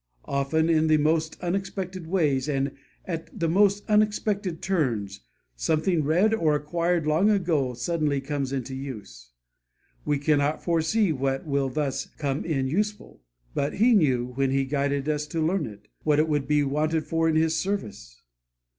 Often, in the most unexpected ways, and at the most unexpected turns, something read or acquired long ago suddenly comes into use. We cannot foresee what will thus 'come in useful'; but He knew, when He guided us to learn it, what it would be wanted for in His service.